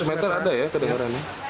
lima ratus meteran ada ya